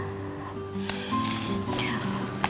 aduh kamu apes banget ya ren